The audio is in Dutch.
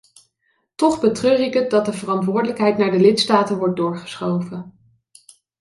Toch betreur ik het dat de verantwoordelijkheid naar de lidstaten wordt doorgeschoven.